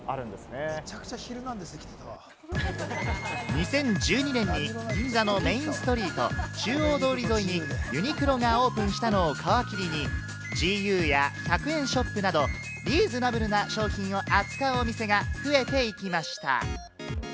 ２０１２年に銀座のメインストリート・中央通り沿いにユニクロがオープンしたのを皮切りにＧＵや１００円ショップなど、リーズナブルな商品を扱うお店が増えていきました。